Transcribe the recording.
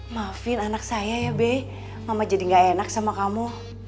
maafin anak saya ya be mama jadi gak enak sama kamu